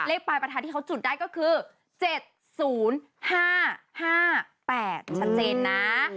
ปลายประทัดที่เขาจุดได้ก็คือ๗๐๕๕๘ชัดเจนนะ